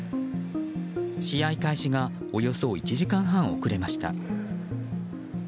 試合開始がおよそ１時間半遅れました。